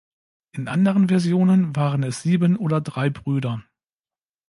In anderen Versionen waren es sieben oder drei Brüder.